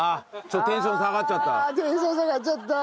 ちょっとテンション下がっちゃった。